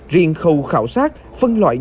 riêng khâu khảo sát phân loại nhỏ